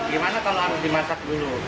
gimana kalau harus dimasak dulu